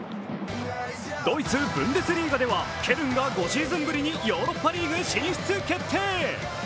ドイツ・ブンデスリーガではケルンがヨーロッパリーグ進出決定。